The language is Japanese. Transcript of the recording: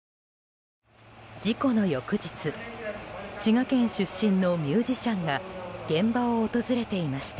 事故の翌日滋賀県出身のミュージシャンが現場を訪れていました。